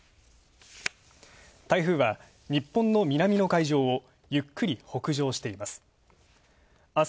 台風は日本の南の海上をゆっくり北上しています。